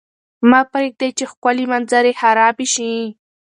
مه پرېږدئ چې ښکلې منظرې خرابې شي.